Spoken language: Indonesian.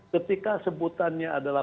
ketika sebutannya adalah